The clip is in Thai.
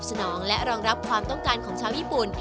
นองและรองรับความต้องการของชาวญี่ปุ่น